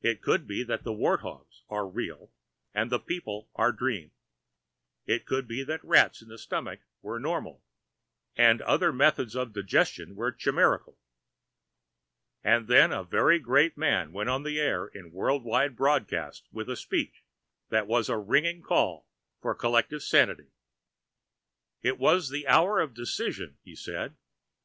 It could be that the wart hogs were real and the people a dream. It could be that rats in the stomach were normal, and other methods of digestion were chimerical. And then a very great man went on the air in worldwide broadcast with a speech that was a ringing call for collective sanity. It was the hour of decision, he said.